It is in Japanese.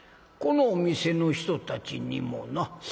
このお店の人たちにもな。